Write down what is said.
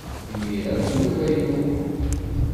Imir-a d nnuba-inu!